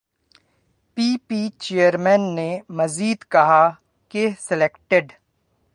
پی P chairman نے مزید کہا کہ سلیکٹڈ